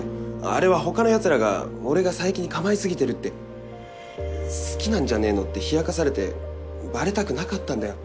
あれは他のヤツらが俺が佐伯に構いすぎてるって好きなんじゃねえのって冷やかされてバレたくなかったんだよ